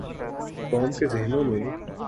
قوم کے ذہنوں میں۔